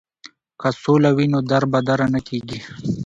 که سوله وي نو دربدره نه کیږي.